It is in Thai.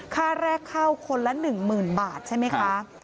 ค่าแรกเข้าคนละ๑๐๐๐บาทใช่ไหมคะ